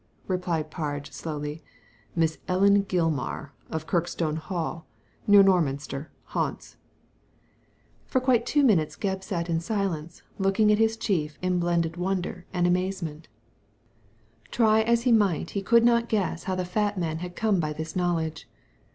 replied Parge, slowly. "Miss Ellen Gilmar, of Kirkstone Hall, near Norminster, Hants." For quite two minutes Gebb sat in silence, looking at his chief in blended wonder and amazement Try Digitized by Google 52 THE LADY FROM NOWHERE as he might he could not guess how the fat man had come by this knowledge.